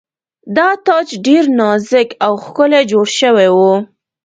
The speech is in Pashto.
دا تاج ډیر نازک او ښکلی جوړ شوی و